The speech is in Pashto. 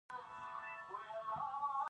تاریخي متون دومره راته وایي.